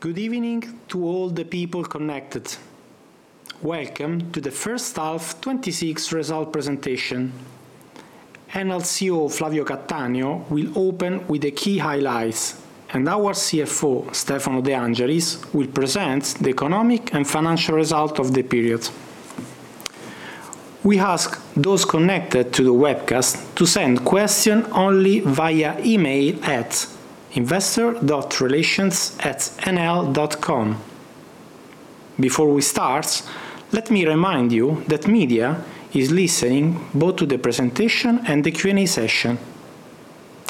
Good evening to all the people connected. Welcome to the first half 2026 result presentation. Enel CEO, Flavio Cattaneo, will open with the key highlights, and our CFO, Stefano De Angelis, will present the economic and financial result of the period. We ask those connected to the webcast to send question only via email at investor.relations@enel.com. Before we start, let me remind you that media is listening both to the presentation and the Q&A session.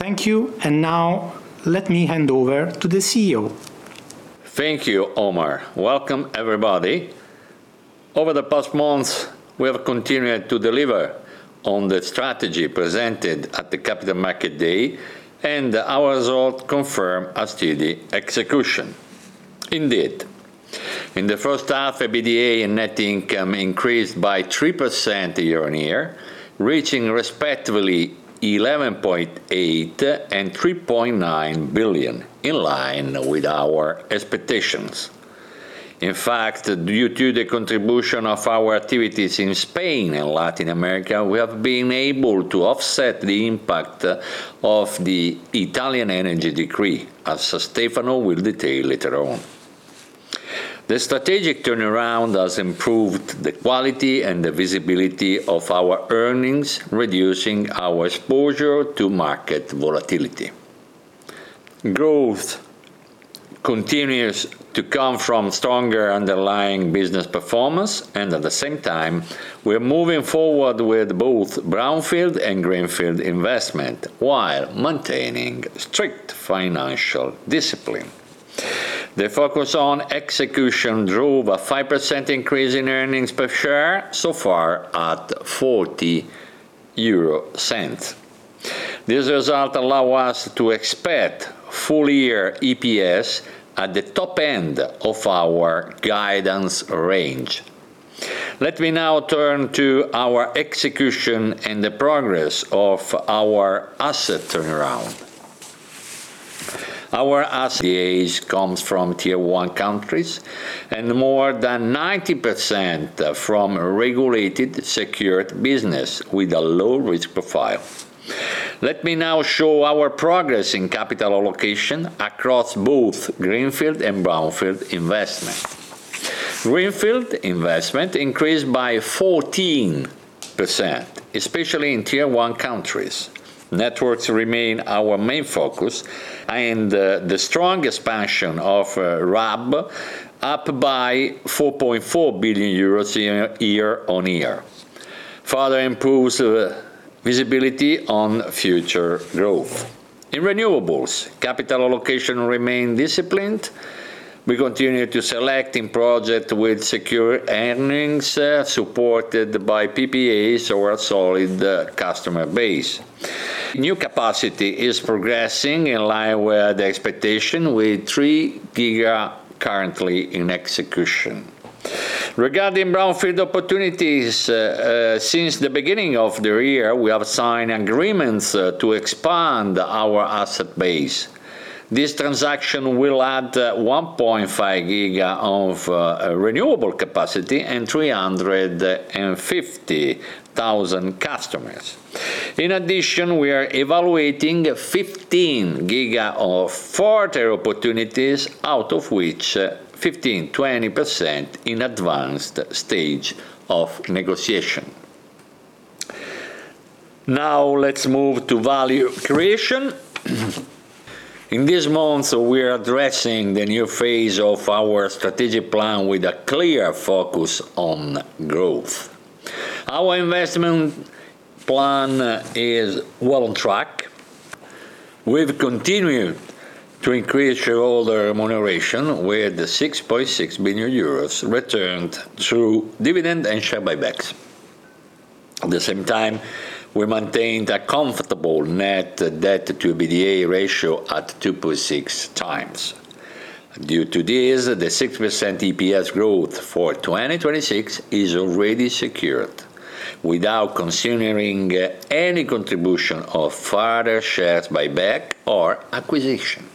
Thank you. Now let me hand over to the CEO. Thank you, Omar. Welcome everybody. Over the past months, we have continued to deliver on the strategy presented at the Capital Markets Day, and our result confirm a steady execution. Indeed, in the first half, EBITDA and net income increased by 3% year-on-year, reaching respectively 11.8 billion and 3.9 billion, in line with our expectations. Due to the contribution of our activities in Spain and Latin America, we have been able to offset the impact of the Italian Energy Decree, as Stefano will detail later on. The strategic turnaround has improved the quality and the visibility of our earnings, reducing our exposure to market volatility. Growth continues to come from stronger underlying business performance. At the same time, we are moving forward with both brownfield and greenfield investment, while maintaining strict financial discipline. The focus on execution drove a 5% increase in earnings per share so far at 0.40. This result allow us to expect full year EPS at the top end of our guidance range. Let me now turn to our execution and the progress of our asset turnaround. Our ACAs comes from Tier 1 countries and more than 90% from regulated secured business with a low-risk profile. Let me now show our progress in capital allocation across both greenfield and brownfield investment. Greenfield investment increased by 14%, especially in Tier 1 countries. Networks remain our main focus, and the strong expansion of RAB up by 4.4 billion euros year-on-year, further improves visibility on future growth. In renewables, capital allocation remain disciplined. We continue to select in project with secure earnings, supported by PPAs or a solid customer base. New capacity is progressing in line with the expectation with 3 GW currently in execution. Regarding brownfield opportunities, since the beginning of the year, we have signed agreements to expand our asset base. This transaction will add 1.5 GW of renewable capacity and 350,000 customers. In addition, we are evaluating 15 GW of further opportunities, out of which 15%-20% in advanced stage of negotiation. Let's move to value creation. In this month, we are addressing the new phase of our strategic plan with a clear focus on growth. Our investment plan is well on track. We've continued to increase shareholder remuneration with 6.6 billion euros returned through dividend and share buybacks. At the same time, we maintained a comfortable net debt to EBITDA ratio at 2.6x. Due to this, the 6% EPS growth for 2026 is already secured without considering any contribution of further shares buyback or acquisition.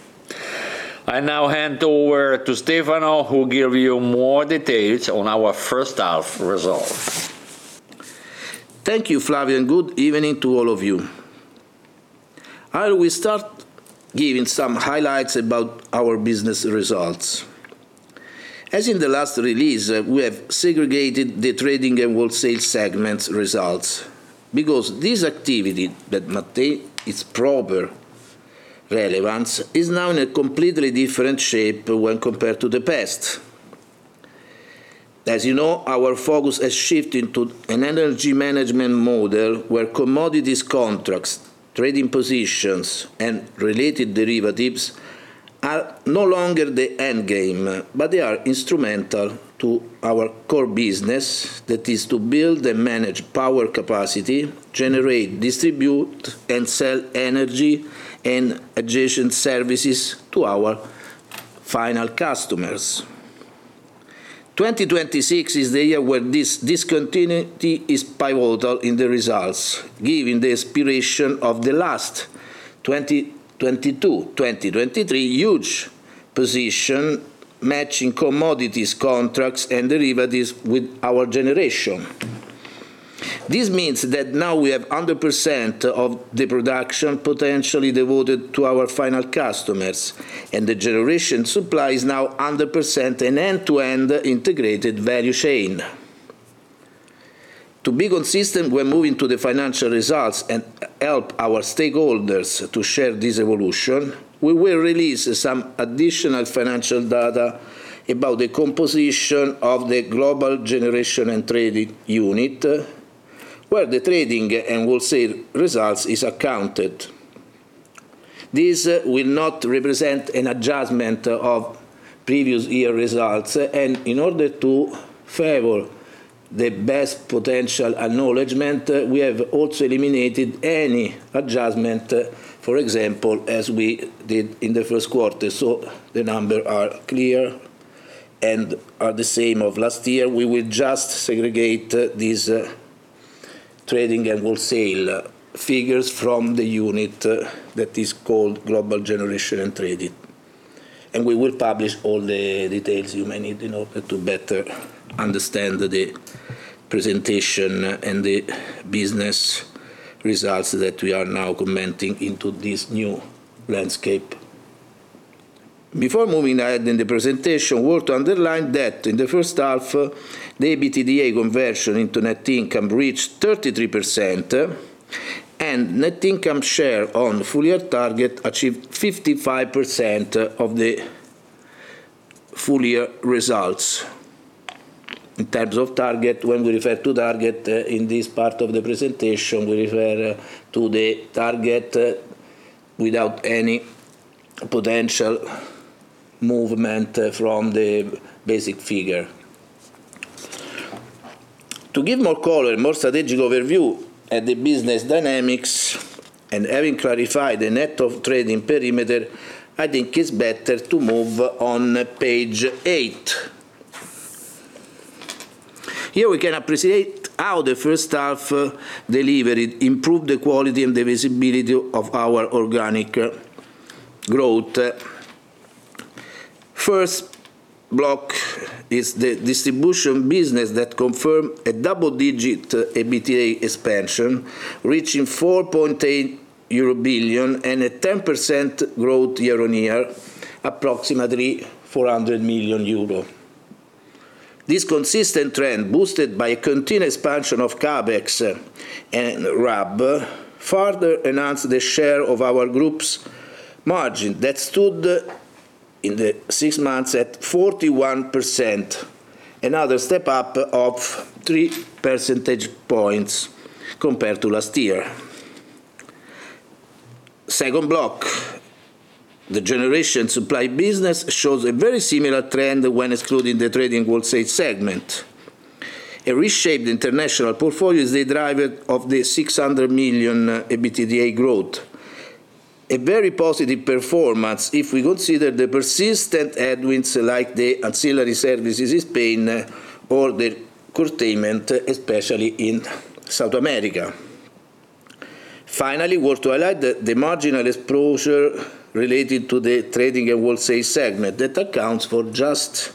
I now hand over to Stefano, who will give you more details on our first half results. Thank you, Flavio, and good evening to all of you. I will start giving some highlights about our business results. As in the last release, we have segregated the trading and wholesale segment results because this activity that maintain its proper relevance is now in a completely different shape when compared to the past. As you know, our focus has shifted to an energy management model where commodities contracts, trading positions, and related derivatives are no longer the end game. They are instrumental to our core business. That is to build and manage power capacity, generate, distribute, and sell energy and adjacent services to our final customers. 2026 is the year where this discontinuity is pivotal in the results, given the expiration of the last 2022/2023 huge position, matching commodities, contracts, and derivatives with our generation. This means that now we have 100% of the production potentially devoted to our final customers, and the generation supply is now 100% an end-to-end integrated value chain. To be consistent when moving to the financial results and help our stakeholders to share this evolution, we will release some additional financial data about the composition of the Global Generation and Trading unit, where the trading and wholesale results is accounted. This will not represent an adjustment of previous year results, and in order to favor the best potential acknowledgment, we have also eliminated any adjustment, for example, as we did in the first quarter. The numbers are clear and are the same of last year. We will just segregate these trading and wholesale figures from the unit that is called Global Generation and Trading. We will publish all the details you may need in order to better understand the presentation and the business results that we are now commenting into this new landscape. Before moving ahead in the presentation, we want to underline that in the first half, the EBITDA conversion into net income reached 33%, and net income share on full-year target achieved 55% of the full-year results. In terms of target, when we refer to target in this part of the presentation, we refer to the target without any potential movement from the basic figure. To give more color, more strategic overview at the business dynamics, and having clarified the net of trading perimeter, I think it's better to move on to page eight. Here we can appreciate how the first half delivery improved the quality and the visibility of our organic growth. First block is the distribution business that confirmed a double-digit EBITDA expansion, reaching 4.8 billion euro and a 10% growth year-on-year, approximately 400 million euro. This consistent trend, boosted by a continued expansion of CapEx and RAB, further enhanced the share of our group's margin that stood in the six months at 41%, another step up of three percentage points compared to last year. Second block, the generation supply business shows a very similar trend when excluding the trading wholesale segment. A reshaped international portfolio is the driver of the 600 million EBITDA growth. A very positive performance if we consider the persistent headwinds like the ancillary services in Spain or the curtailment, especially in South America. Finally, we want to highlight the marginal exposure related to the trading and wholesale segment. That accounts for just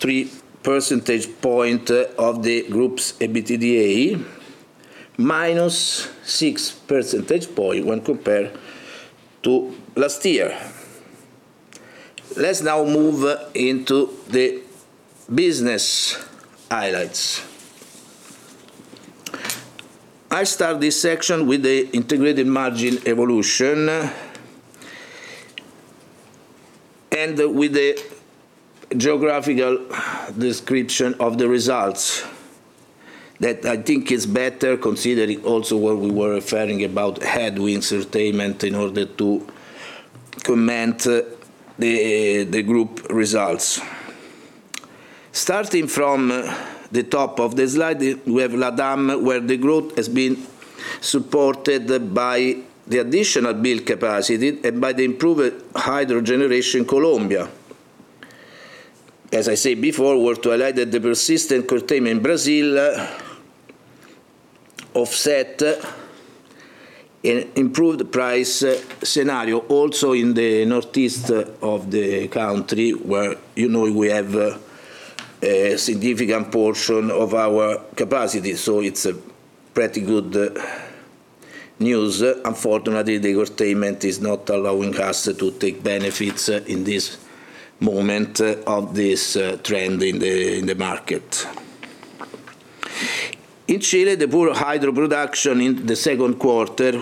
three percentage points of the group's EBITDA, minus six percentage points when compared to last year. Let's now move into the business highlights. I start this section with the integrated margin evolution, and with the geographical description of the results that I think is better considering also what we were referring about headwinds, curtailment, in order to comment the group results. Starting from the top of the slide, we have LATAM, where the growth has been supported by the additional build capacity and by the improved hydro generation Colombia. As I said before, we want to highlight that the persistent curtailment in Brazil offset improved price scenario also in the northeast of the country where we have a significant portion of our capacity. It's pretty good news. Unfortunately, the curtailment is not allowing us to take benefits in this moment of this trend in the market. In Chile, the poor hydro production in the second quarter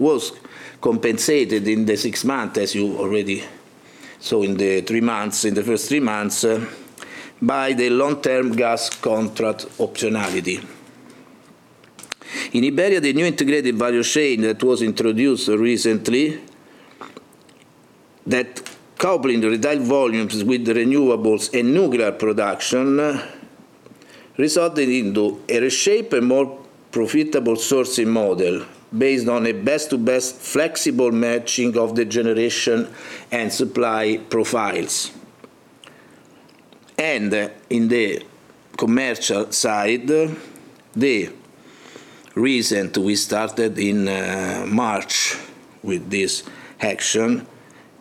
was compensated in the six months, as you already saw in the first three months, by the long-term gas contract optionality. In Iberia, the new integrated value chain that was introduced recently, that coupling the retail volumes with renewables and nuclear production resulted into a reshaped and more profitable sourcing model based on a best to best flexible matching of the generation and supply profiles. In the commercial side, the recent we started in March with this action,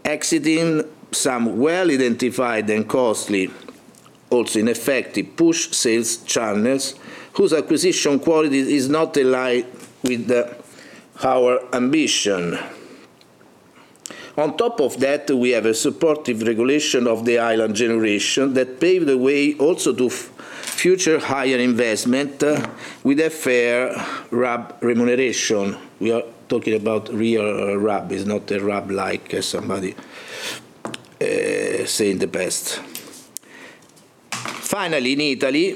exiting some well-identified and costly, also ineffective push sales channels whose acquisition quality is not in line with our ambition. On top of that, we have a supportive regulation of the island generation that paved the way also to future higher investment with a fair RAB remuneration. We are talking about real RAB, is not a RAB-like as somebody said in the past. Finally, in Italy,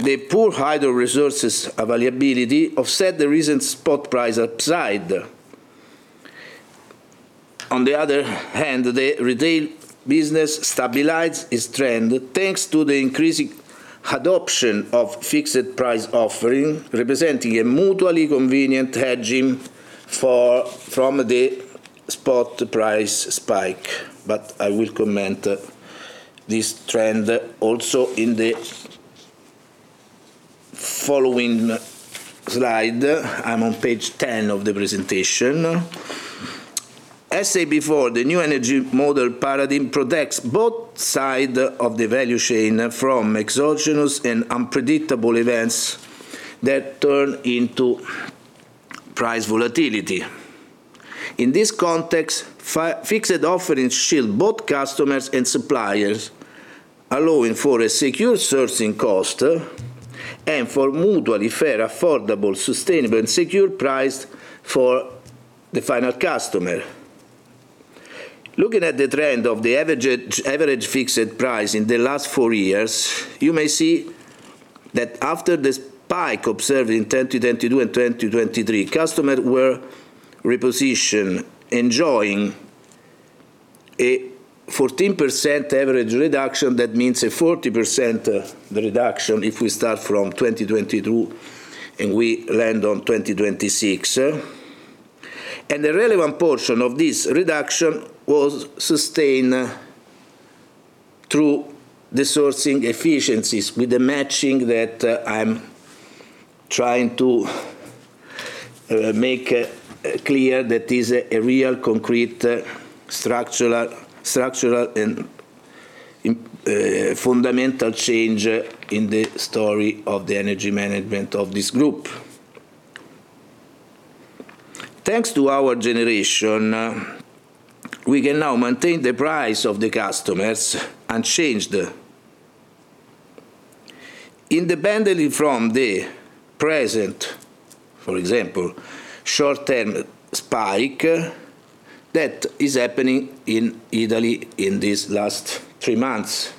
the poor hydro resources availability offset the recent spot price upside. On the other hand, the retail business stabilized its trend, thanks to the increasing adoption of fixed price offering, representing a mutually convenient hedging from the spot price spike. I will comment this trend also in the following slide. I'm on page 10 of the presentation. As said before, the new energy model paradigm protects both sides of the value chain from exogenous and unpredictable events that turn into price volatility. In this context, fixed offerings shield both customers and suppliers, allowing for a secure sourcing cost and for mutually fair, affordable, sustainable, and secure price for the final customer. Looking at the trend of the average fixed price in the last four years, you may see that after the spike observed in 2022 and 2023, customers were repositioned, enjoying a 14% average reduction. That means a 40% reduction if we start from 2022 and we land on 2026. A relevant portion of this reduction was sustained through the sourcing efficiencies with the matching that I'm trying to make clear that is a real concrete structural, and fundamental change in the story of the energy management of this group. Thanks to our generation, we can now maintain the price of the customers unchanged independently from the present, for example, short-term spike that is happening in Italy in these last three months.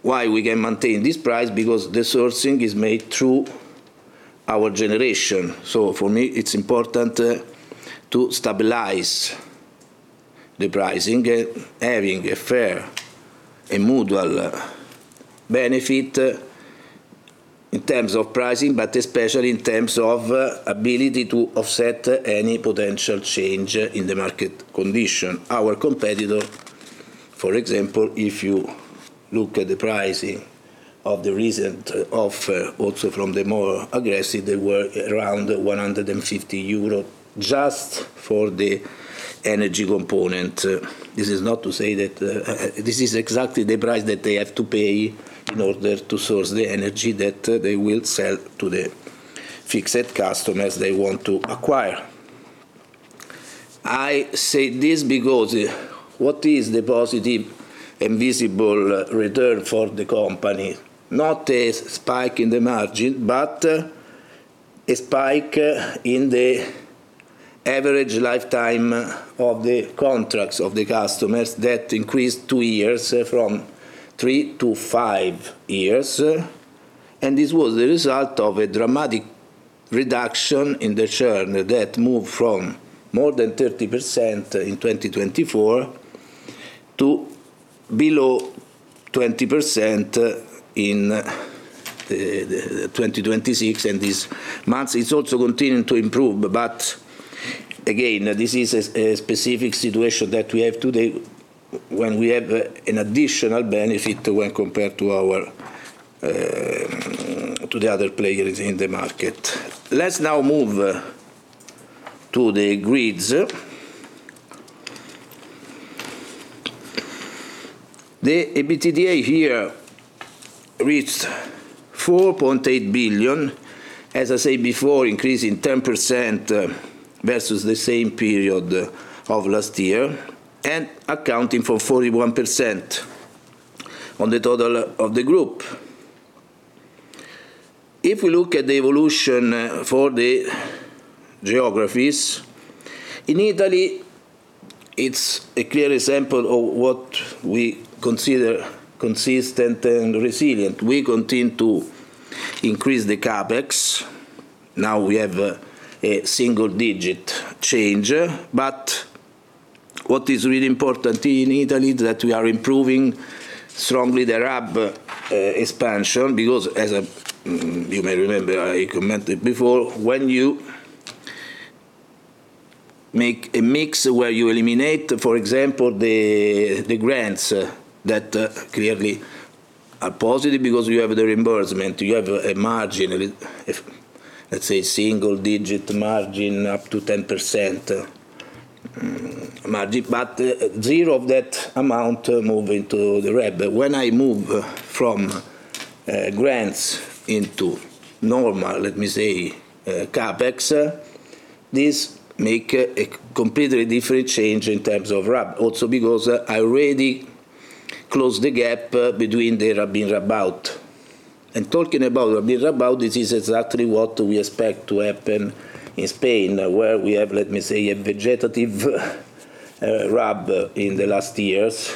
Why we can maintain this price? Because the sourcing is made through our generation. For me, it's important to stabilize the pricing, having a fair and mutual benefit in terms of pricing, but especially in terms of ability to offset any potential change in the market condition. Our competitor, for example, if you look at the pricing of the recent offer, also from the more aggressive, they were around 150 euros just for the energy component. This is exactly the price that they have to pay in order to source the energy that they will sell to the fixed customers they want to acquire. I say this because what is the positive and visible return for the company? Not a spike in the margin, but a spike in the average lifetime of the contracts of the customers that increased two years from three to five years. This was a result of a dramatic reduction in the churn that moved from more than 30% in 2024 to below 20% in 2026. This month, it's also continuing to improve. Again, this is a specific situation that we have today when we have an additional benefit when compared to the other players in the market. Let's now move to the grids. The EBITDA here reached 4.8 billion, as I said before, increasing 10% versus the same period of last year, and accounting for 41% on the total of the group. If we look at the evolution for the geographies, in Italy, it's a clear example of what we consider consistent and resilient. We continue to increase the CapEx. Now we have a single-digit change. What is really important in Italy is that we are improving strongly the RAB expansion, because as you may remember, I commented before, when you make a mix where you eliminate, for example, the grants that clearly are positive because you have the reimbursement, you have a margin, let's say single-digit margin, up to 10% margin, but zero of that amount moving to the RAB. When I move from grants into normal, let me say, CapEx, this make a completely different change in terms of RAB. Also, because I already closed the gap between the RAB-IN/RAB-OUT. Talking about the RAB-OUT, this is exactly what we expect to happen in Spain, where we have, let me say, a vegetative RAB in the last years.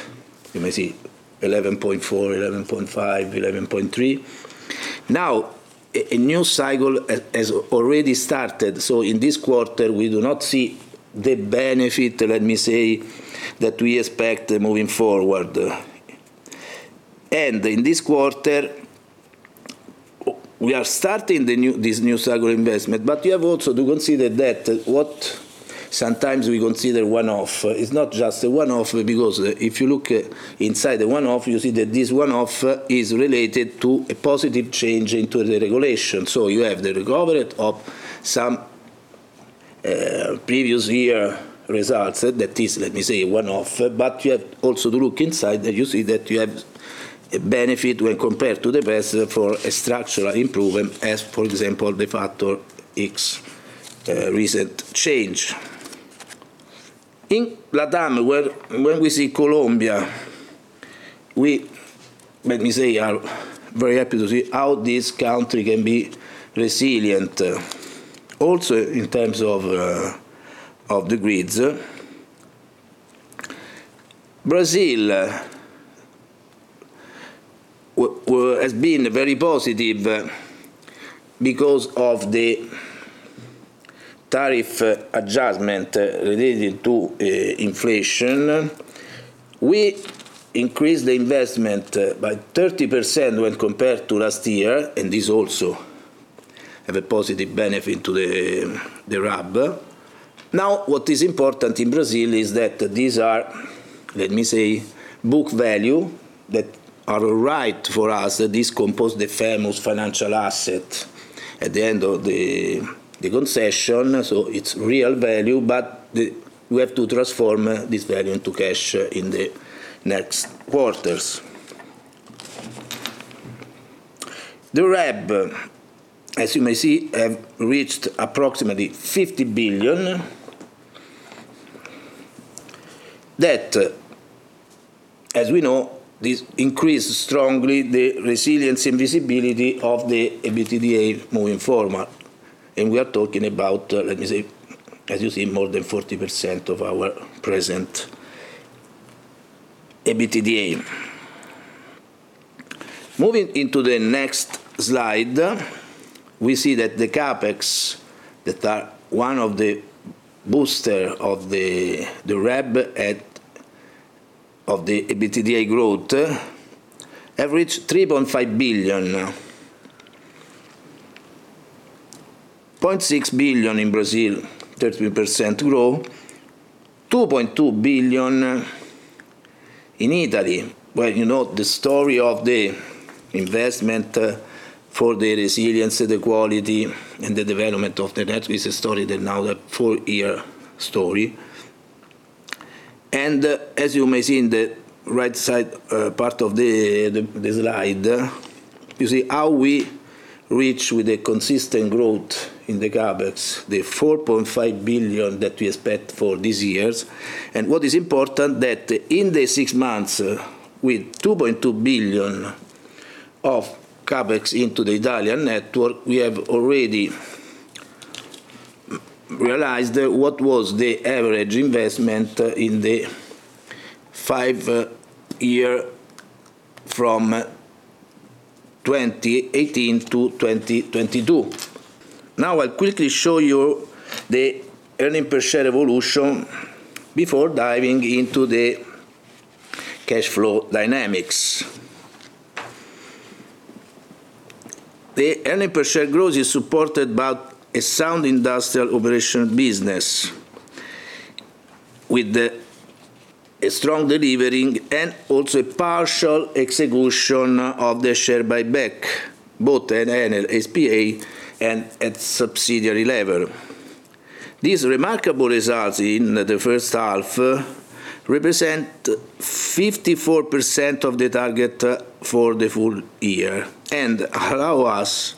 You may see 11.4 billion, 11.5 billion, 11.3 billion. A new cycle has already started, in this quarter, we do not see the benefit, let me say, that we expect moving forward. In this quarter, we are starting this new cycle investment, but you have also to consider that what sometimes we consider one-off, is not just a one-off, because if you look inside the one-off, you see that this one-off is related to a positive change into the regulation. You have the recovery of some previous year results, that is, let me say, one-off. You have also to look inside, and you see that you have a benefit when compared to the rest for a structural improvement as, for example, the Factor X recent change. In LATAM, when we see Colombia, let me say, are very happy to see how this country can be resilient. Also, in terms of the grids. Brazil has been very positive because of the tariff adjustment related to inflation. We increased the investment by 30% when compared to last year, and this also have a positive benefit to the RAB. What is important in Brazil is that these are, let me say, book value that are right for us. This compose the famous financial asset at the end of the concession, so it is real value, but we have to transform this value into cash in the next quarters. The RAB, as you may see, have reached approximately EUR 50 billion, that, as we know, this increased strongly the resilience and visibility of the EBITDA moving forward. We are talking about, let me say, as you see, more than 40% of our present EBITDA. Moving into the next slide, we see that the CapEx that are one of the booster of the RAB-OUT of the EBITDA growth, have reached 3.5 billion. 0.6 billion in Brazil, 30% growth, 2.2 billion in Italy, where you know the story of the investment for the resilience, the quality, and the development of the network is a story that now a four-year story. As you may see in the right side part of the slide, you see how we reach with a consistent growth in the CapEx, the 4.5 billion that we expect for these years. What is important, that in the six months with 2.2 billion of CapEx into the Italian network, we have already realized what was the average investment in the five year from 2018 to 2022. I quickly show you the earning per share evolution before diving into the cash flow dynamics. The earning per share growth is supported by a sound industrial operational business, with a strong delivering and also a partial execution of the share buyback, both at Enel S.p.A. and at subsidiary level. These remarkable results in the first half represent 54% of the target for the full year and allow us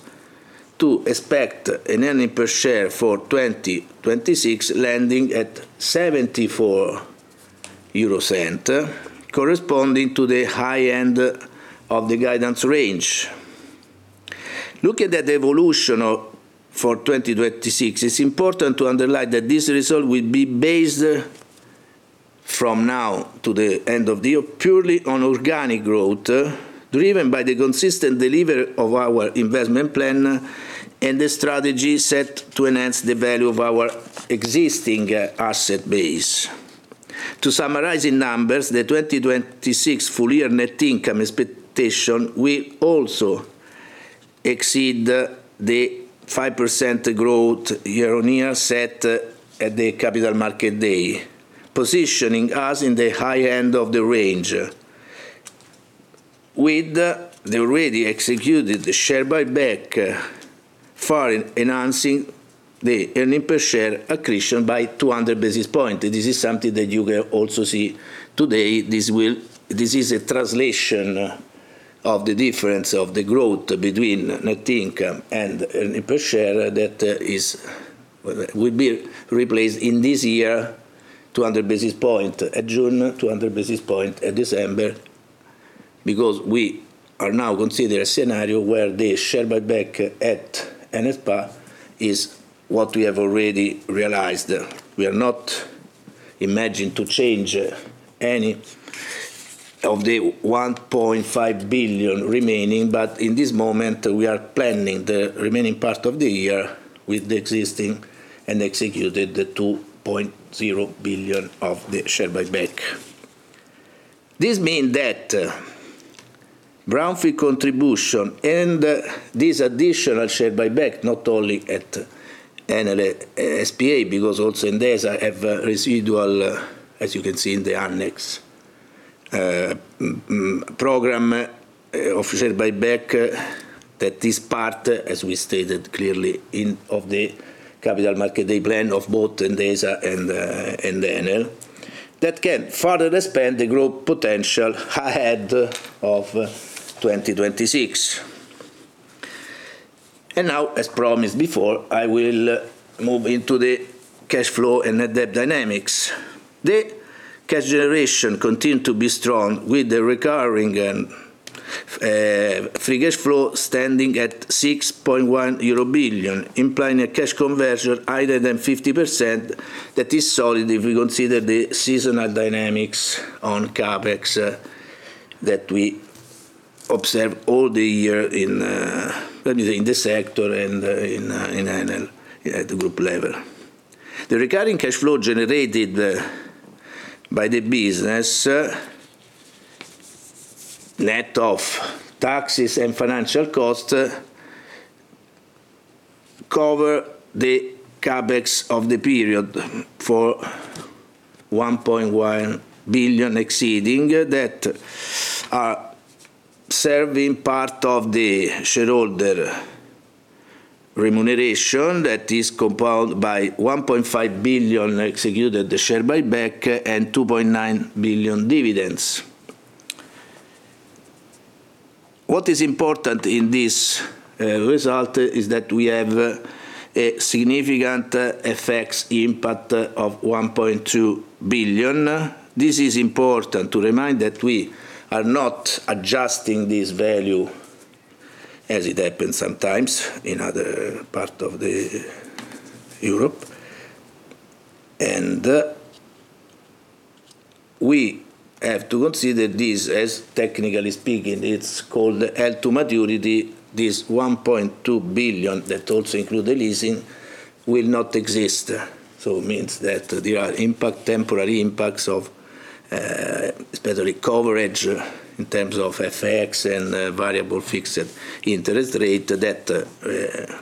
to expect an earning per share for 2026 landing at 0.74, corresponding to the high end of the guidance range. Looking at the evolution for 2026, it is important to underline that this result will be based from now to the end of the year, purely on organic growth, driven by the consistent delivery of our investment plan and the strategy set to enhance the value of our existing asset base. To summarize in numbers, the 2026 full year net income expectation will also exceed the 5% growth year-over-year set at the Capital Markets Day, positioning us in the high end of the range. With the already executed share buyback for enhancing the earnings per share accretion by 200 basis points. This is something that you will also see today. This is a translation of the difference of the growth between net income and earnings per share that will be replaced in this year, 200 basis points at June, 200 basis points at December, because we are now considering a scenario where the share buyback at Enel S.p.A. is what we have already realized. We are not imagined to change any of the 1.5 billion remaining, but in this moment, we are planning the remaining part of the year with the existing and executed 2.0 billion of the share buyback. This mean that brownfield contribution and this additional share buyback, not only at Enel S.p.A., because also Endesa have residual, as you can see in the annex program, of share buyback that this part, as we stated clearly in the Capital Markets Day plan of both Endesa and Enel, that can further expand the growth potential ahead of 2026. As promised before, I will move into the cash flow and net debt dynamics. The cash generation continue to be strong with the recurring free cash flow standing at 6.1 billion euro, implying a cash conversion higher than 50%. That is solid if we consider the seasonal dynamics on CapEx that we observe all the year in the sector and in Enel at the group level. The recurring cash flow generated by the business, net of taxes and financial cost, cover the CapEx of the period for 1.1 billion exceeding that are serving part of the shareholder remuneration that is compound by 1.5 billion executed the share buyback and 2.9 billion dividends. What is important in this result is that we have a significant FX impact of 1.2 billion. This is important to remind that we are not adjusting this value, as it happens sometimes in other part of the Europe. We have to consider this as technically speaking, it's called held to maturity, this 1.2 billion that also include the leasing, will not exist. It means that there are temporary impacts of especially coverage in terms of FX and variable fixed interest rate that,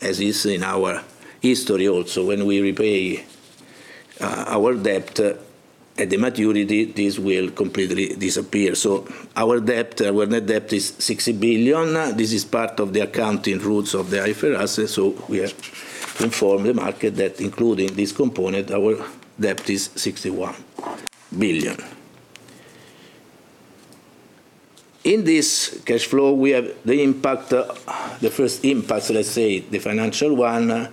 as is in our history also, when we repay our debt at the maturity, this will completely disappear. Our net debt is 60 billion. This is part of the accounting rules of the IFRS. We have informed the market that including this component, our debt is 61 billion. In this cash flow, we have the first impact, let's say, the financial one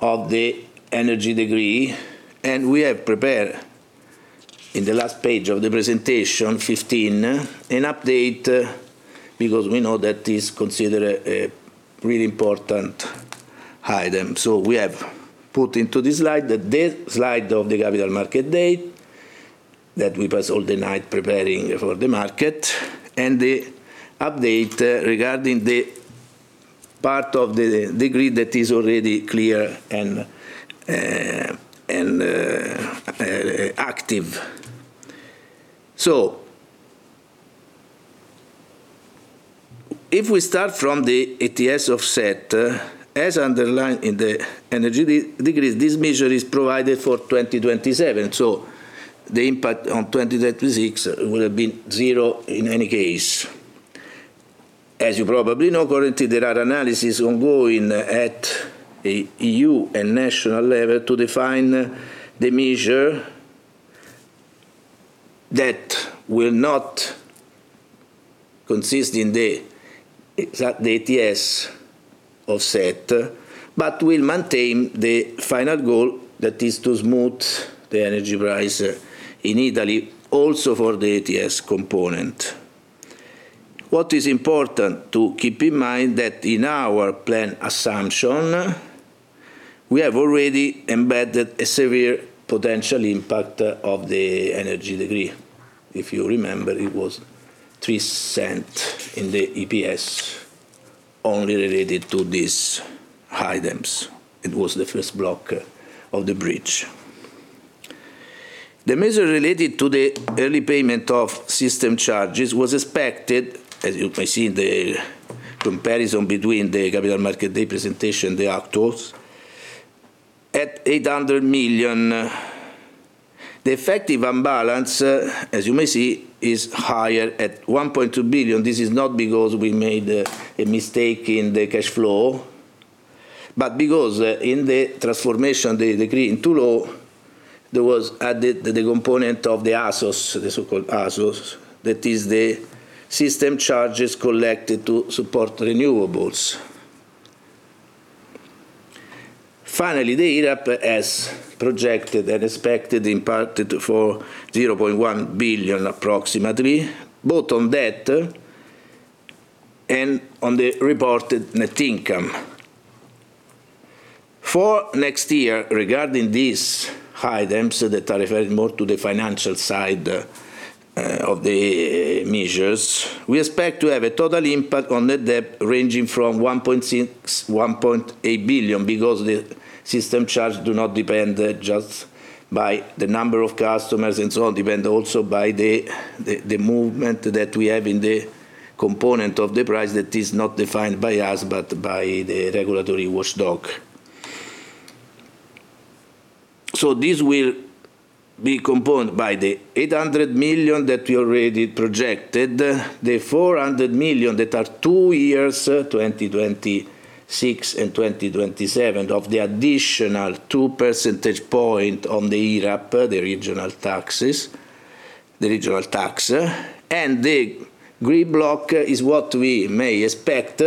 of the Energy Decree, and we have prepared, in the last page of the presentation, page 15, an update, because we know that is considered a really important item. We have put into this slide the slide of the Capital Markets Day, that we pass all the night preparing for the market, and the update regarding the part of the decree that is already clear and active. If we start from the ATS offset, as underlined in the Energy Decree, this measure is provided for 2027. The impact on 2026 would have been zero in any case. As you probably know, currently, there are analysis ongoing at EU and national level to define the measure that will not consist in the exact ATS offset, but will maintain the final goal that is to smooth the energy price in Italy also for the ATS component. What is important to keep in mind that in our plan assumption, we have already embedded a severe potential impact of the Energy Decree. If you remember, it was three EUR 0.03 in the EPS. Only related to these items. It was the first block of the bridge. The measure related to the early payment of system charges was expected, as you may see in the comparison between the Capital Markets Day presentation, the actuals, at 800 million. The effective imbalance, as you may see, is higher at 1.2 billion. This is not because we made a mistake in the cash flow, but because in the transformation, the decree into law, there was added the component of the ASOS, the so-called ASOS, that is the system charges collected to support renewables. Finally, the IRAP has projected and expected impacted for 0.1 billion approximately, both on debt and on the reported net income. For next year, regarding these items that are referred more to the financial side of the measures, we expect to have a total impact on the debt ranging from 1.6 billion-1.8 billion, because the system charge do not depend just by the number of customers and so on, depend also by the movement that we have in the component of the price that is not defined by us, but by the regulatory watchdog. This will be component by the 800 million that we already projected, the 400 million that are two years, 2026 and 2027, of the additional two percentage point on the IRAP, the regional tax. The green block is what we may expect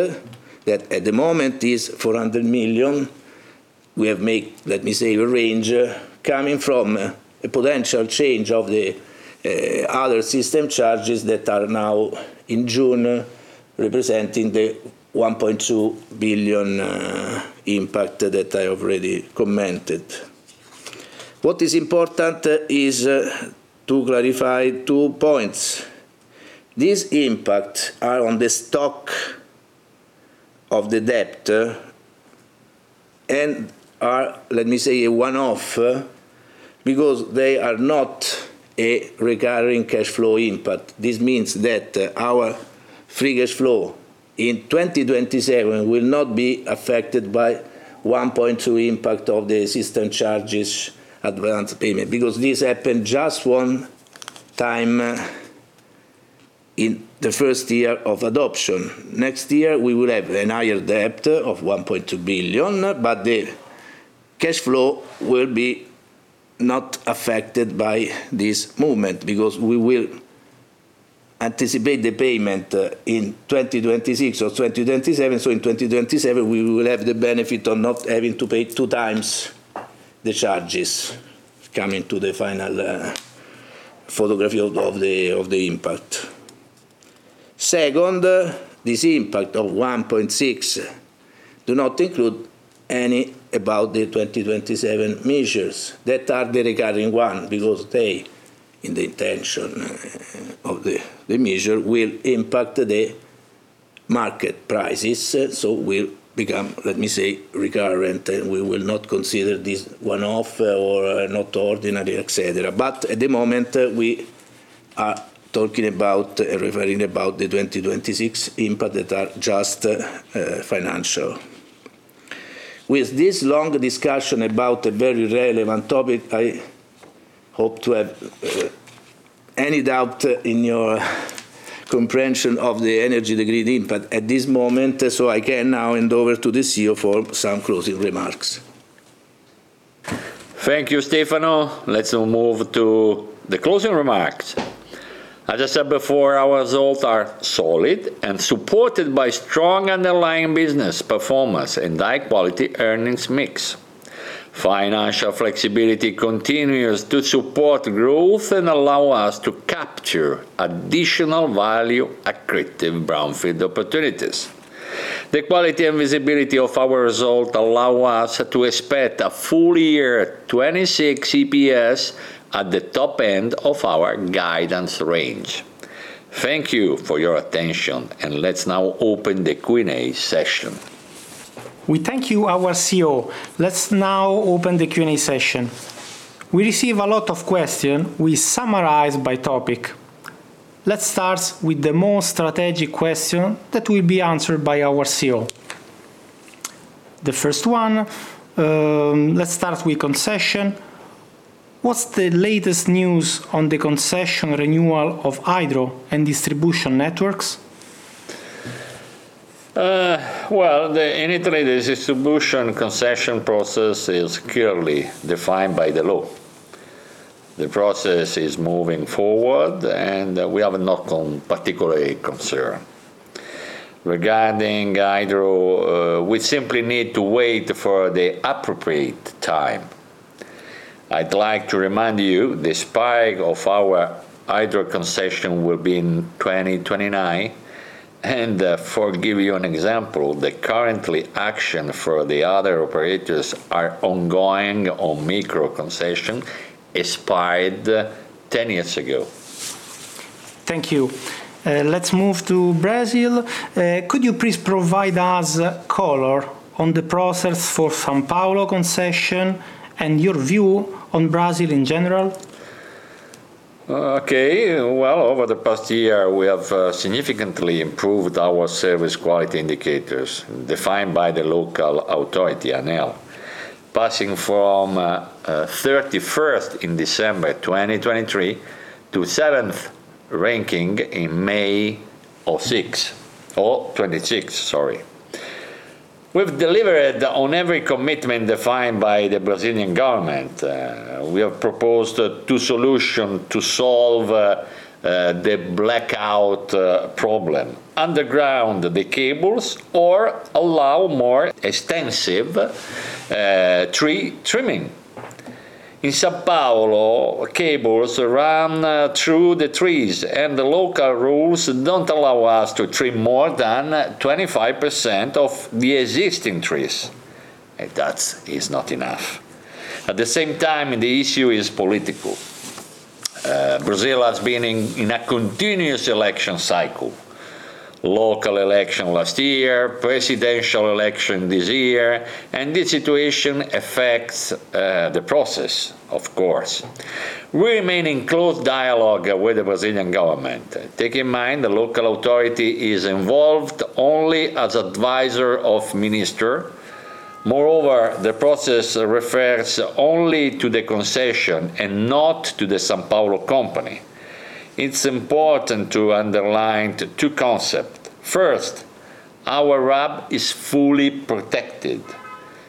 that at the moment is 400 million. We have made, let me say, a range coming from a potential change of the other system charges that are now in June representing the 1.2 billion impact that I already commented. What is important is to clarify two points. These impact are on the stock of the debt and are, let me say, a one-off, because they are not a recurring cash flow impact. This means that our free cash flow in 2027 will not be affected by 1.2 impact of the system charges advanced payment, because this happened just one time in the first year of adoption. Next year, we will have a higher debt of 1.2 billion, but the cash flow will be not affected by this movement because we will anticipate the payment in 2026 or 2027. In 2027, we will have the benefit of not having to pay 2x the charges coming to the final photography of the impact. Second, this impact of 1.6 billion do not include any about the 2027 measures that are the recurring one, because they, in the intention of the measure, will impact the market prices. Will become, let me say, recurrent, and we will not consider this one-off or not ordinary, et cetera. At the moment, we are talking about and referring about the 2026 impact that are just financial. With this long discussion about a very relevant topic, I hope to have any doubt in your comprehension of the Energy Decree impact at this moment. I can now hand over to the CEO for some closing remarks. Thank you, Stefano. Let's now move to the closing remarks. As I said before, our results are solid and supported by strong underlying business performance and high-quality earnings mix. Financial flexibility continues to support growth and allow us to capture additional value accretive brownfield opportunities. The quality and visibility of our result allow us to expect a full year 2026 EPS at the top end of our guidance range. Thank you for your attention, and let's now open the Q&A session. We thank you, our CEO. Let's now open the Q&A session. We receive a lot of question, we summarize by topic. Let's start with the most strategic question that will be answered by our CEO. The first one, let's start with concession. What's the latest news on the concession renewal of Hydro and distribution networks? Well, in Italy, the distribution concession process is clearly defined by the law. The process is moving forward, and we have not particularly concerned. Regarding hydro, we simply need to wait for the appropriate time. I'd like to remind you, the spike of our hydro concession will be in 2029. For give you an example, the currently action for the other operators are ongoing on micro concession expired 10 years ago. Thank you. Let's move to Brazil. Could you please provide us color on the process for São Paulo concession and your view on Brazil in general? Well, over the past year, we have significantly improved our service quality indicators defined by the local authority, ANEEL. Passing from 31st in December 2023 to 26th ranking in May 2026. We've delivered on every commitment defined by the Brazilian government. We have proposed two solution to solve the blackout problem: underground the cables or allow more extensive tree trimming. In São Paulo, cables run through the trees, and the local rules don't allow us to trim more than 25% of the existing trees. That is not enough. At the same time, the issue is political. Brazil has been in a continuous election cycle. Local election last year, presidential election this year, this situation affects the process, of course. We remain in close dialogue with the Brazilian government. Take in mind, the local authority is involved only as advisor of minister. Moreover, the process refers only to the concession and not to the São Paulo company. It's important to underline two concept. First, our RAB is fully protected.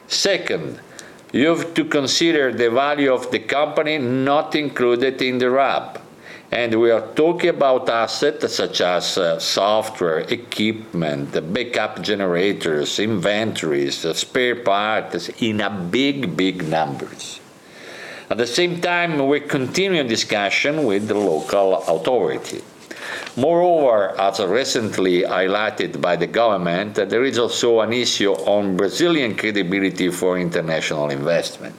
Second, you have to consider the value of the company not included in the RAB. We are talking about assets such as software, equipment, backup generators, inventories, spare parts in a big numbers. At the same time, we continue discussion with the local authority. Moreover, as recently highlighted by the government, there is also an issue on Brazilian credibility for international investment.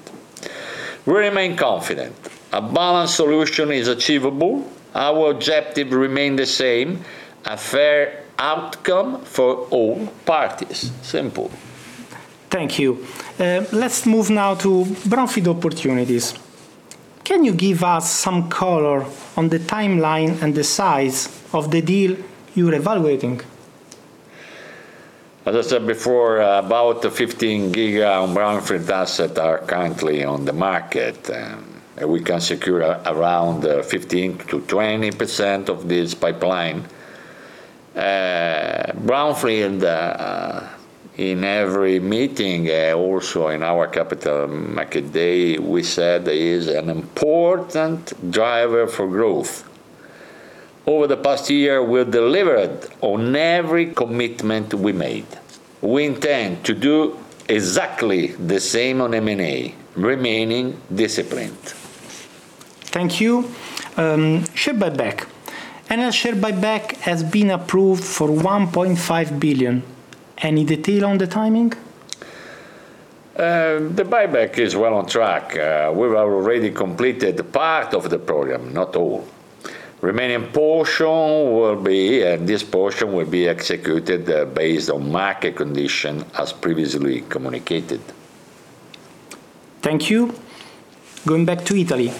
We remain confident. A balanced solution is achievable. Our objective remain the same, a fair outcome for all parties. Simple. Thank you. Let's move now to brownfield opportunities. Can you give us some color on the timeline and the size of the deal you're evaluating? As I said before, about 15 GW on brownfield asset are currently on the market. We can secure around 15%-20% of this pipeline. Brownfield, in every meeting, also in our Capital Markets Day, we said is an important driver for growth. Over the past year, we delivered on every commitment we made. We intend to do exactly the same on M&A, remaining disciplined. Thank you. Share buyback. Enel share buyback has been approved for 1.5 billion. Any detail on the timing? The buyback is well on track. We've already completed part of the program, not all. Remaining portion will be, this portion will be executed based on market condition as previously communicated. Thank you. Going back to Italy.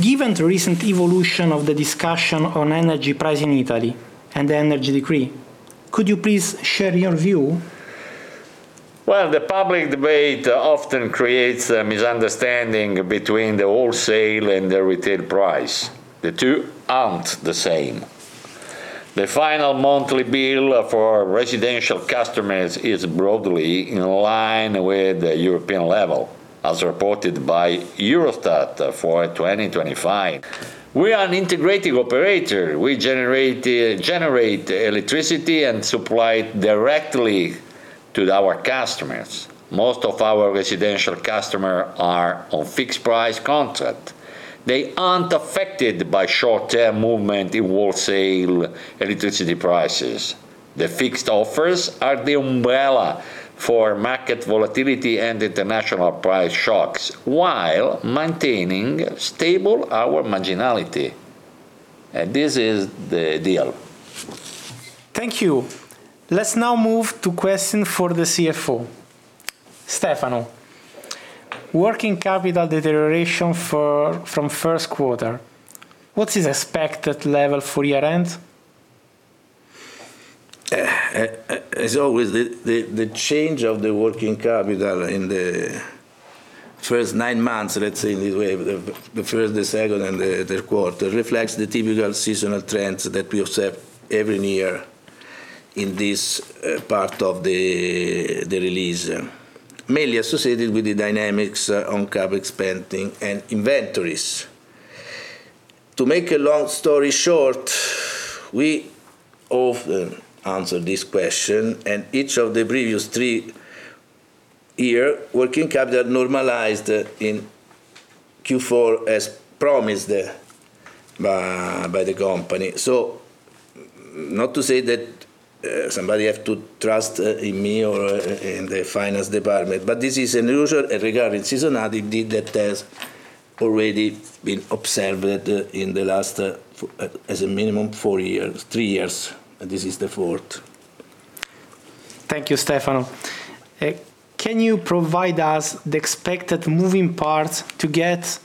Given the recent evolution of the discussion on energy price in Italy and the Energy Decree, could you please share your view? Well, the public debate often creates a misunderstanding between the wholesale and the retail price. The two aren't the same. The final monthly bill for residential customers is broadly in line with the European level, as reported by Eurostat for 2025. We are an integrating operator. We generate electricity and supply directly to our customers. Most of our residential customer are on fixed price contract. They aren't affected by short-term movement in wholesale electricity prices. The fixed offers are the umbrella for market volatility and international price shocks while maintaining, stable, our marginality. This is the deal. Thank you. Let's now move to question for the CFO. Stefano. Working capital deterioration from first quarter, what is expected level for year-end? As always, the change of the working capital in the first nine months, let's say this way, the first, the second, and the third quarter, reflects the typical seasonal trends that we observe every year in this part of the release. Mainly associated with the dynamics on CapEx spending and inventories. To make a long story short, we often answer this question, and each of the previous three year, working capital normalized in Q4 as promised by the company. Not to say that somebody has to trust in me or in the finance department, but this is a usual regarding seasonality that has already been observed in the last, as a minimum, four years, three years. This is the fourth. Thank you, Stefano. Can you provide us the expected moving parts to get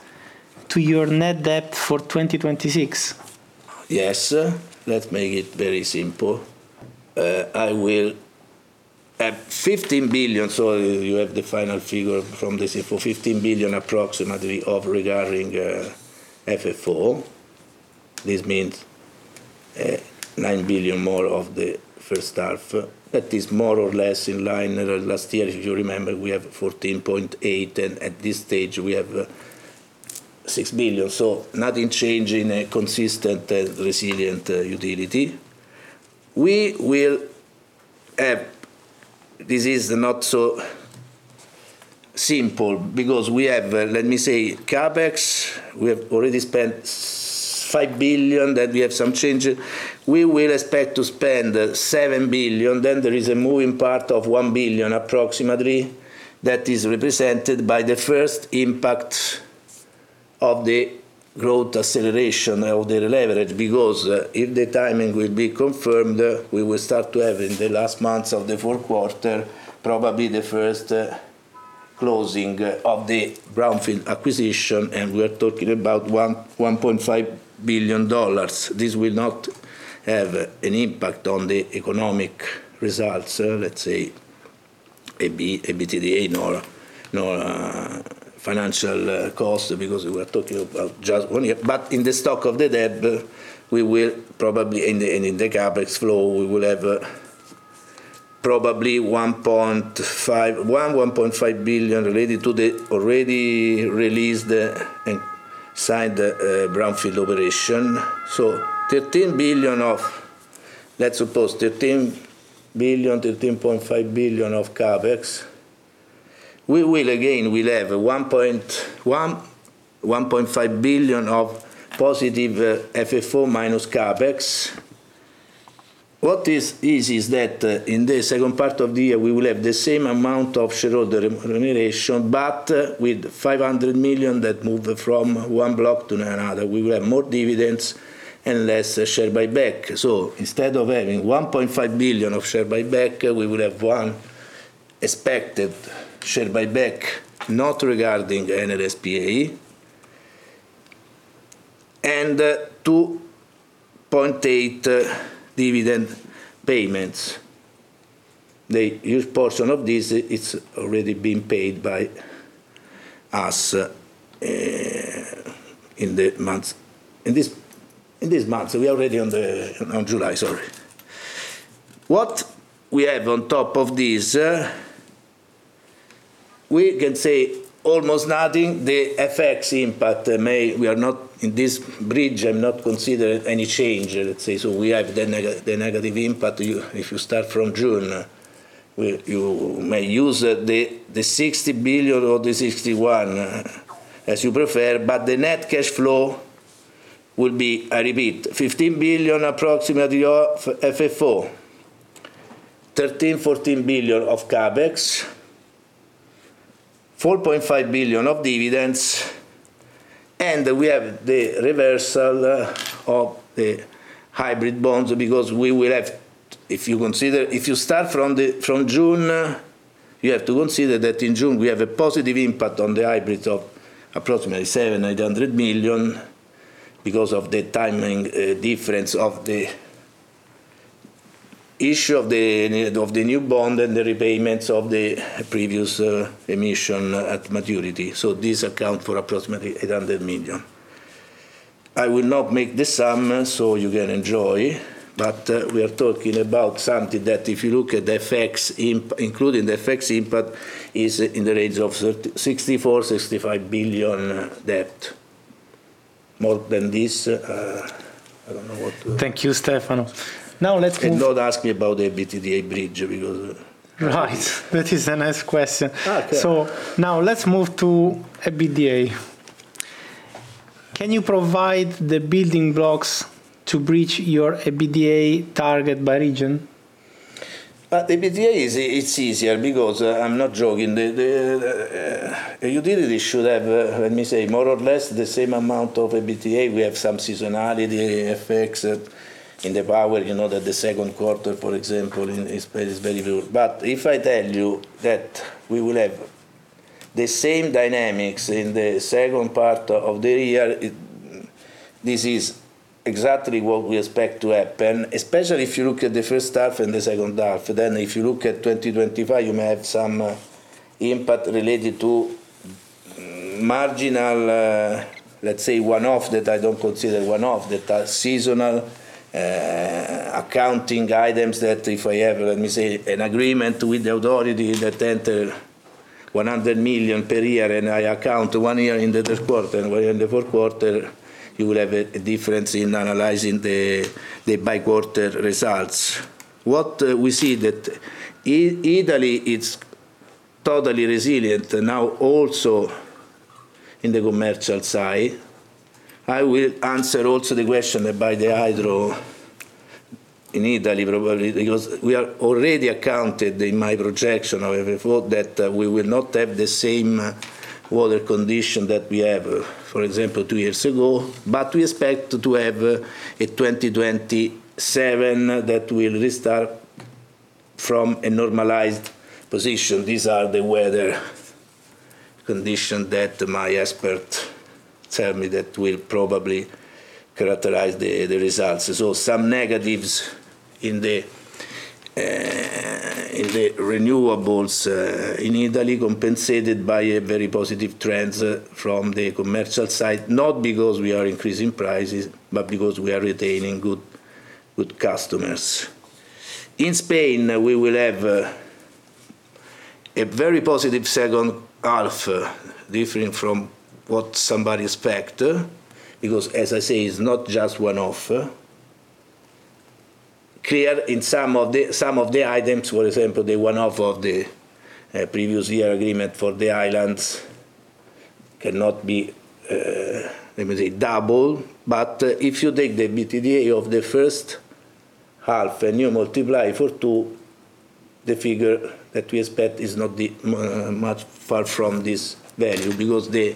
to your net debt for 2026? Yes. Let's make it very simple. I will have 15 billion, so you have the final figure from the 15 billion approximately of regarding FFO. This means 9 billion more of the first half. That is more or less in line with last year. If you remember, we have 14.8 billion, and at this stage, we have 6 billion. Nothing changing, a consistent and resilient utility. This is not so simple because we have, let me say, CapEx. We have already spent 5 billion. We have some changes. We will expect to spend 7 billion. There is a moving part of 1 billion approximately that is represented by the first impact of the growth acceleration of the leverage, because if the timing will be confirmed, we will start to have in the last months of the fourth quarter, probably the first closing of the brownfield acquisition, and we're talking about $1.5 billion. This will not have an impact on the economic results, let's say, EBITDA, nor financial cost, because we are talking about just one year. In the stock of the debt, and in the CapEx flow, we will have probably $1.5 billion related to the already released and signed brownfield operation. Let's suppose 13 billion-13.5 billion of CapEx. We will again have 1.5 billion of positive FFO minus CapEx. What this is that in the second part of the year, we will have the same amount of shareholder remuneration, but with 500 million that move from one block to another. We will have more dividends and less share buyback. Instead of having 1.5 billion of share buyback, we would have one expected share buyback, not regarding Enel S.p.A., and EUR 2.8 billion dividend payments. The huge portion of this it's already been paid by us in this month. We are already on July, sorry. What we have on top of this, we can say almost nothing. The FX impact, in this bridge, I've not considered any change. We have the negative impact. If you start from June, you may use the 60 billion or the 61 billion as you prefer. The net cash flow will be, I repeat, 15 billion approximately of FFO, 13 billion-14 billion of CapEx, 4.5 billion of dividends. We have the reversal of the hybrid bonds because if you start from June, you have to consider that in June we have a positive impact on the hybrids of approximately 700 million-800 million because of the timing difference of the issue of the new bond and the repayments of the previous emission at maturity. This accounts for approximately 800 million. I will not make the sum so you can enjoy. We are talking about something that if you look at including the FX impact, is in the range of 64 billion-65 billion debt. Thank you, Stefano. Now let's move. Don't ask me about the EBITDA bridge. Right. That is a nice question. Okay. Now let's move to EBITDA. Can you provide the building blocks to bridge your EBITDA target by region? EBITDA, it's easier because I'm not joking. The utility should have, let me say, more or less the same amount of EBITDA. We have some seasonality FX in the power, you know that the second quarter, for example, is very low. If I tell you that we will have the same dynamics in the second part of the year, this is exactly what we expect to happen, especially if you look at the first half and the second half. If you look at 2025, you may have some impact related to marginal, let's say, one-off that I don't consider one-off, that are seasonal accounting items that if I have, let me say, an agreement with the authority that enter 100 million per year and I account one year in the first quarter and one in the fourth quarter, you will have a difference in analyzing the bi-quarter results. What we see that Italy is totally resilient, and now also in the commercial side. I will answer also the question about the hydro in Italy, probably because we are already accounted in my projection of before that we will not have the same water condition that we have, for example, two years ago. We expect to have a 2027 that will restart from a normalized position. These are the weather condition that my expert tell me that will probably characterize the results. Some negatives in the renewables in Italy compensated by a very positive trends from the commercial side, not because we are increasing prices, but because we are retaining good customers. In Spain, we will have a very positive second half, differing from what somebody expect, because as I say, it's not just one-off. Clear in some of the items, for example, the one-off of the previous year agreement for the islands cannot be, let me say, double. If you take the EBITDA of the first half and you multiply for two, the figure that we expect is not much far from this value, because the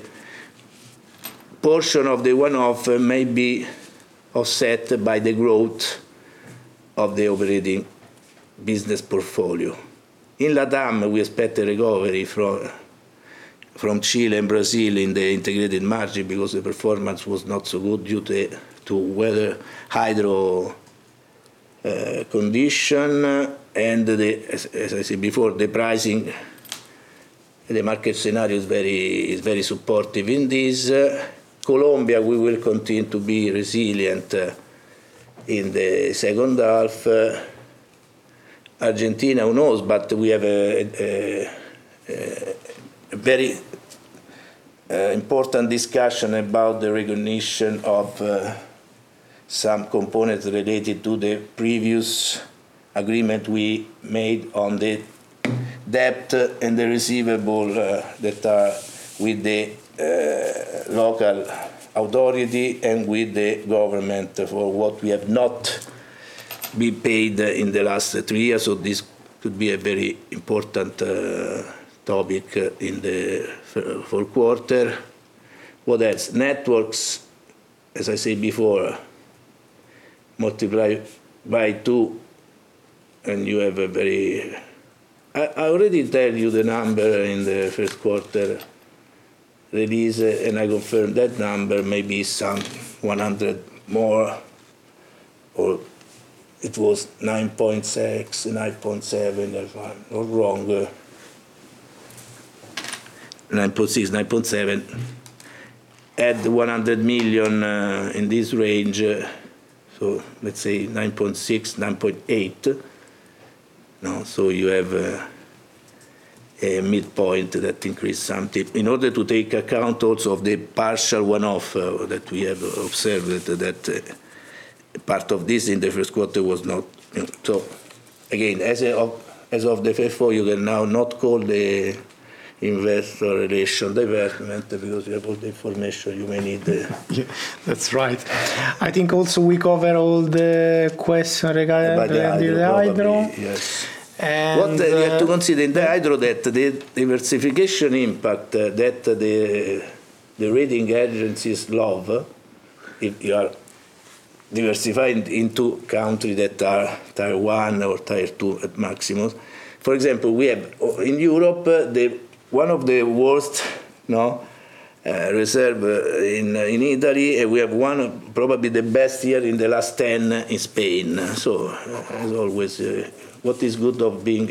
portion of the one-off may be offset by the growth of the operating business portfolio. In LATAM, we expect a recovery from Chile and Brazil in the integrated margin because the performance was not so good due to weather hydro condition and as I said before, the pricing, the market scenario is very supportive in this. Colombia, we will continue to be resilient in the second half. Argentina, who knows, we have a very important discussion about the recognition of some components related to the previous agreement we made on the debt and the receivable that are with the local authority and with the government for what we have not been paid in the last three years. This could be a very important topic in the fourth quarter. What else? Networks, as I said before, multiply by two and I already tell you the number in the first quarter release, and I confirm that number, maybe some 100 million more, or it was 9.6 billion, 9.7 billion, if I'm not wrong. 9.6 billion, 9.7 billion. Add 100 million in this range. Let's say 9.6 billion, 9.8 billion. Now, you have a midpoint that increase something. In order to take account also of the partial one-off that we have observed that part of this in the first quarter was not. Again, as of the [F4], you can now not call the Investor Relations development because you have all the information you may need. That's right. I think also we covered all the questions. About the hydro, probably. Yes the hydro. What we have to consider in the hydro that the diversification impact that the rating agencies love, if you are diversifying in two countries that are Tier 1 or Tier 2 at maximum. For example, we have in Europe, one of the worst reserves in Italy, and we have one, probably the best year in the last 10 in Spain. As always, what is good of being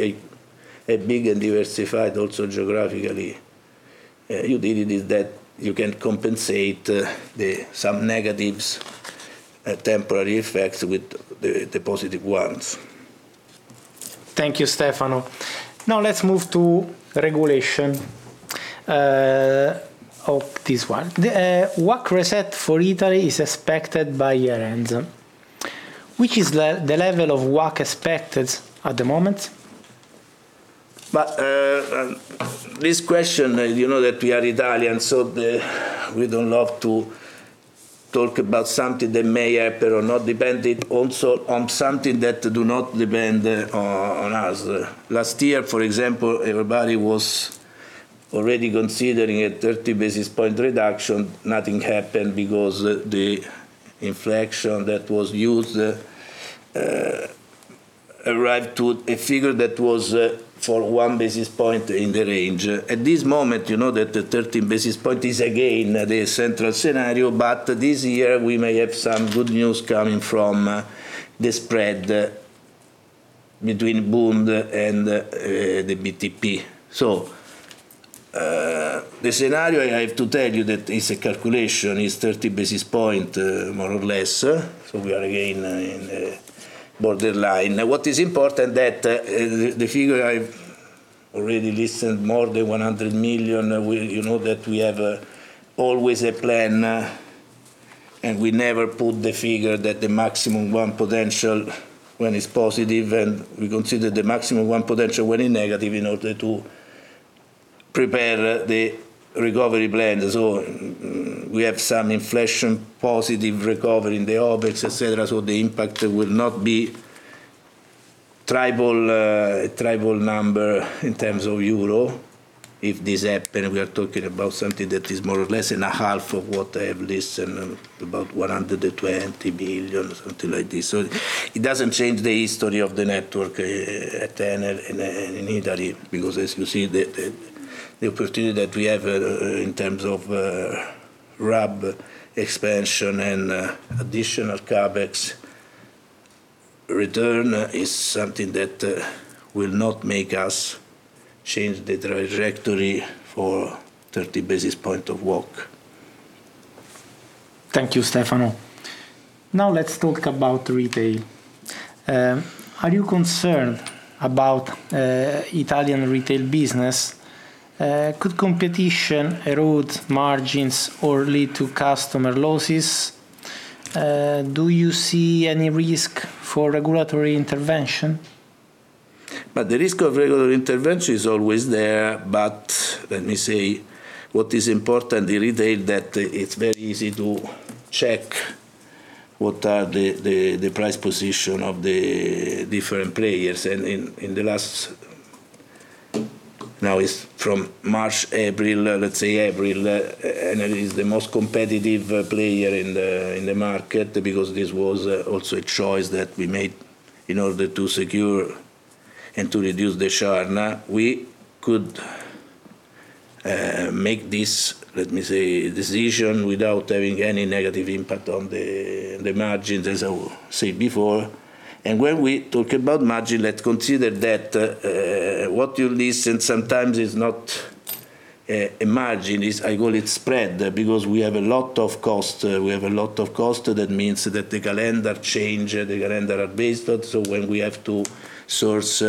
a big and diversified also geographically utility is that you can compensate some negatives, temporary FX with the positive ones. Thank you, Stefano. Let's move to regulation of this one. WACC reset for Italy is expected by year-end. Which is the level of WACC expected at the moment? This question, you know that we are Italian, we don't love to talk about something that may happen or not, depending also on something that do not depend on us. Last year, for example, everybody was already considering a 30 basis point reduction. Nothing happened because the inflection that was used, arrived to a figure that was for one basis point in the range. At this moment, you know that the 30 basis point is again the central scenario. This year we may have some good news coming from the spread between Bund and the BTP. The scenario I have to tell you that is a calculation, is 30 basis point more or less. We are again in the borderline. What is important that the figure I already heard more than 100 million, you know that we have always a plan. We never put the figure that the maximum potential when it's positive, and we consider the maximum potential when in negative in order to prepare the recovery plan. We have some inflation positive recovery in the OpEx, et cetera, the impact will not be trivial number in terms of EUR. If this happens, we are talking about something that is more or less in a half of what I have heard, about 120 million, something like this. It doesn't change the history of the network at Enel in Italy because, as you see, the opportunity that we have in terms of RAB expansion and additional CapEx return is something that will not make us change the trajectory for 30 basis point of WACC. Thank you, Stefano. Now let's talk about retail. Are you concerned about Italian retail business? Could competition erode margins or lead to customer losses? Do you see any risk for regulatory intervention? The risk of regulatory intervention is always there, but let me say, what is important in retail that it's very easy to check what are the price position of the different players. In the last, now is from March, April, let's say April, Enel is the most competitive player in the market because this was also a choice that we made in order to secure and to reduce the share. We could make this, let me say, decision without having any negative impact on the margins, as I said before. When we talk about margin, let's consider that what you listen sometimes is not a margin. I call it spread because we have a lot of cost. Means that the calendar change, the calendar are based on, when we have to source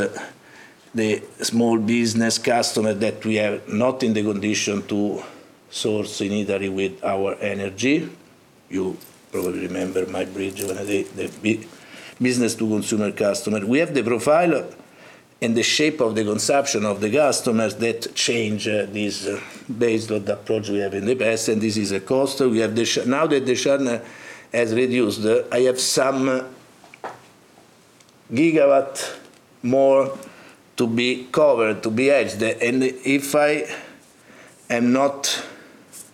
the small business customer that we are not in the condition to source in Italy with our energy. You probably remember my bridge when I say the business-to-consumer customer. We have the profile and the shape of the consumption of the customers that change this based on the approach we have in the past, and this is a cost. The share has reduced, I have some gigawatt more to be covered, to be hedged. If I am not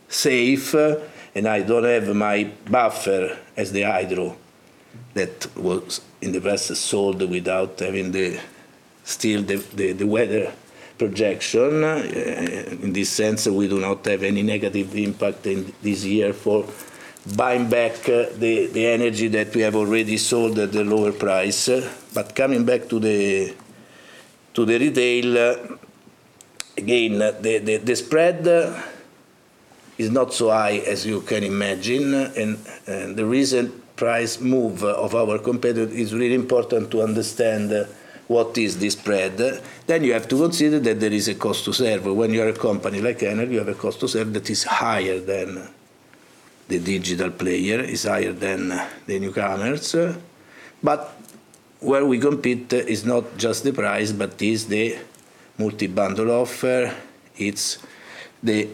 safe and I don't have my buffer as the hydro that works in the past, sold without having still the weather projection. In this sense, we do not have any negative impact in this year for buying back the energy that we have already sold at the lower price. Coming back to the retail, again, the spread is not so high as you can imagine. The recent price move of our competitor is really important to understand what is the spread. You have to consider that there is a cost to serve. When you are a company like Enel, you have a cost to serve that is higher than the digital player, is higher than the newcomers. Where we compete is not just the price, but it's the multi-bundle offer. It's the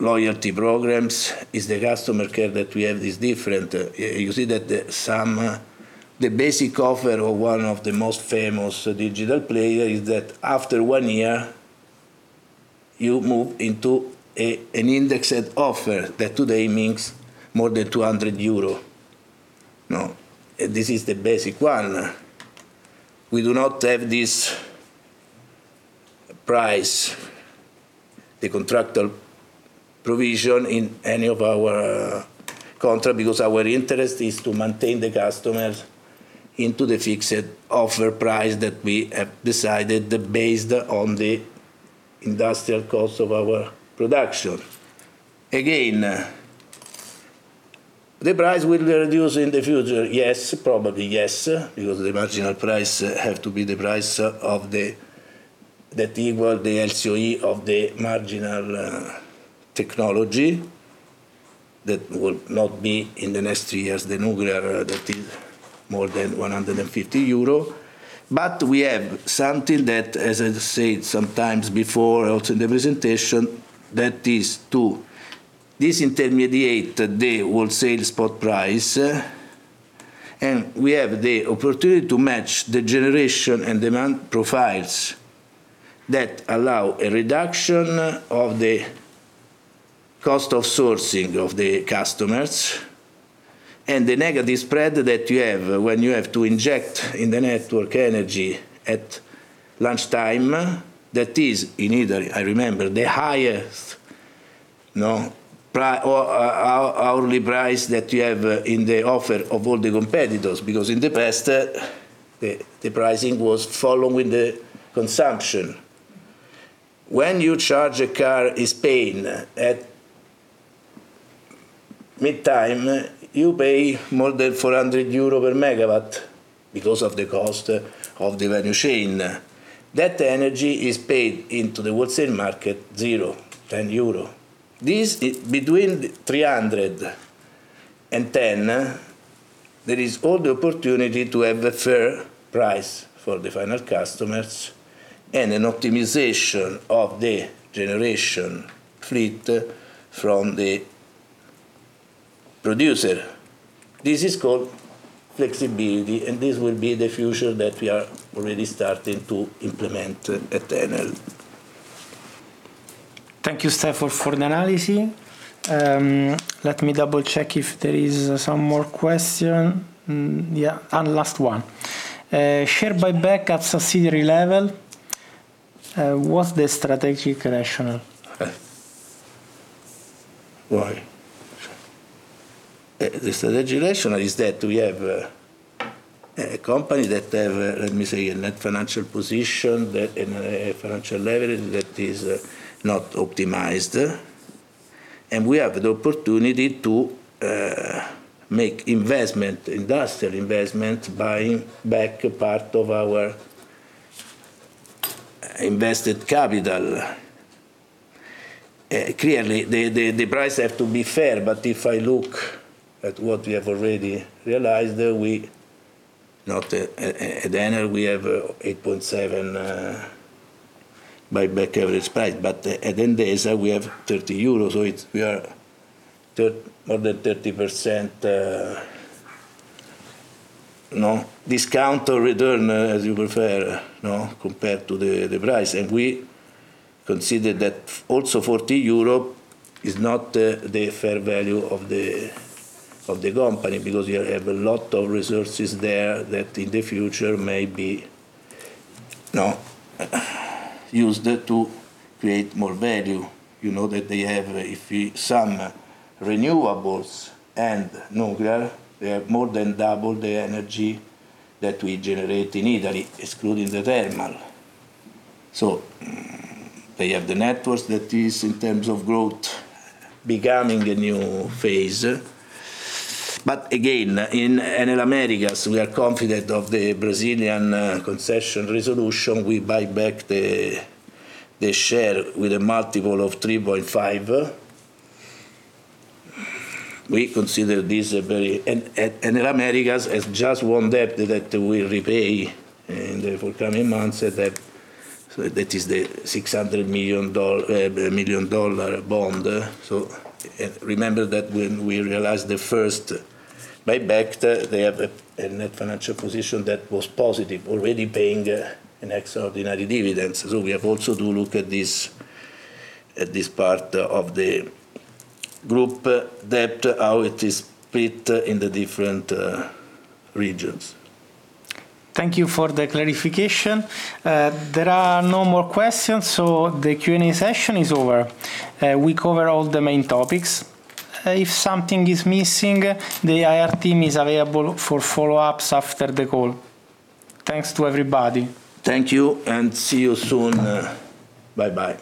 loyalty programs, is the customer care that we have is different. You see that the basic offer of one of the most famous digital player is that after one year, you move into an index and offer that today means more than 200 euros. This is the basic one. We do not have this price, the contractual provision in any of our contract because our interest is to maintain the customers into the fixed offer price that we have decided based on the industrial cost of our production. Again, the price will be reduced in the future? Yes, probably yes, because the marginal price have to be the price that equal the LCOE of the marginal technology. That will not be in the next three years, the nuclear that is more than 150 euro. We have something that, as I said sometimes before, also in the presentation, that is to disintermediate the wholesale spot price, we have the opportunity to match the generation and demand profiles that allow a reduction of the cost of sourcing of the customers, and the negative spread that you have when you have to inject in the network energy at lunchtime, that is in Italy, I remember, the highest hourly price that you have in the offer of all the competitors, because in the past, the pricing was following the consumption. When you charge a car in Spain at midtime, you pay more than 400 euro per Megawatt because of the cost of the value chain. That energy is paid into the wholesale market zero, EUR 10. Between the 310, there is all the opportunity to have a fair price for the final customers and an optimization of the generation fleet from the producer. This is called flexibility, and this will be the future that we are already starting to implement at Enel. Thank you, Stefano, for the analysis. Let me double-check if there is some more question. Yeah, last one. Share buyback at subsidiary level, what's the strategic rationale? Okay. The strategic rationale is that we have a company that have, let me say, a net financial position, net financial leverage that is not optimized. We have the opportunity to make industrial investment, buying back part of our invested capital. Clearly, the price have to be fair, but if I look at what we have already realized, at Enel, we have 8.7 buyback average price, but at Endesa, we have 30 euros, so we are more than 30% discount or return, as you prefer, compared to the price. We consider that also 40 euro is not the fair value of the company because you have a lot of resources there that in the future may be used to create more value. You know that they have some renewables and nuclear. They have more than double the energy that we generate in Italy, excluding the thermal. They have the networks that is, in terms of growth, becoming a new phase. Again, in Enel Américas, we are confident of the Brazilian concession resolution. We buy back the share with a multiple of 3.5x. Enel Américas has just one debt that will repay in the forthcoming months, that is the $600 million bond. Remember that when we realized the first buyback, they have a net financial position that was positive, already paying an extraordinary dividend. We have also to look at this part of the group debt, how it is split in the different regions. Thank you for the clarification. There are no more questions, so the Q&A session is over. We cover all the main topics. If something is missing, the IR team is available for follow-ups after the call. Thanks to everybody. Thank you, and see you soon. Bye-bye.